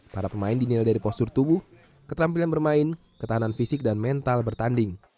para pemain dinilai dari postur tubuh keterampilan bermain ketahanan fisik dan mental bertanding